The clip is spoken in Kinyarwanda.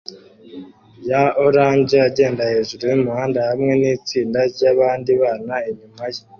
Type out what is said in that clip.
ya orange agenda hejuru yumuhanda hamwe nitsinda ryabandi bana inyuma ye